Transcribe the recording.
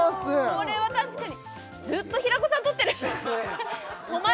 これは確かにずっと平子さん撮ってる働きましょ